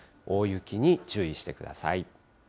大雪に注意してください。